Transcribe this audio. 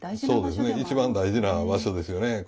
そうですね一番大事な場所ですよね。